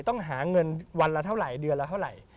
ต้องหาเงินวันละเท่าไหร่เดือนละเท่าไหร่